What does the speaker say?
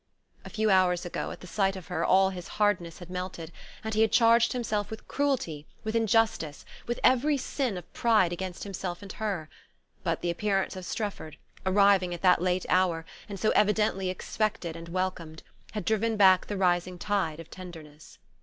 A few hours ago, at the sight of her, all his hardness had melted, and he had charged himself with cruelty, with injustice, with every sin of pride against himself and her; but the appearance of Strefford, arriving at that late hour, and so evidently expected and welcomed, had driven back the rising tide of tenderness.